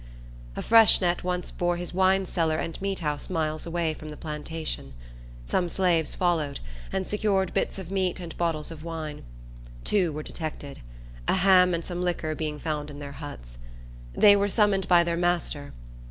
A freshet once bore his wine cellar and meat house miles away from the plantation. Some slaves followed, and secured bits of meat and bottles of wine. Two were detected; a ham and some liquor being found in their huts. They were summoned by their master.